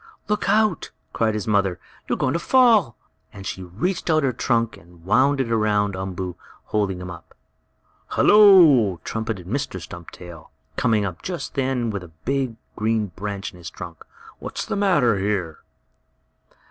"Look out!" cried his mother. "You are going to fall!" and she reached out her trunk and wound it around Umboo, holding him up. "Hello!" trumpeted Mr. Stumptail, coming up just then with a big green branch in his trunk. "What's the matter here?"